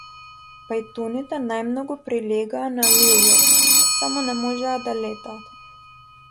Пајтоните најмногу прилегаа на лилјаци, само не можеа да летаат.